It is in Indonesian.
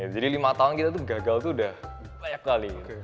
lima tahun kita tuh gagal tuh udah banyak kali